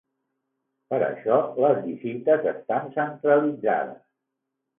Per això les visites estan centralitzades.